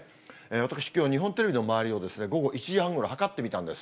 私、きょう、日本テレビの周りを午後１時半ごろ、はかってみたんです。